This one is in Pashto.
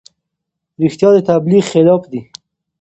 رښتیا د تبلیغ خلاف دي.